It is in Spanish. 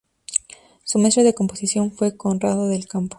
Su maestro de composición fue Conrado del Campo.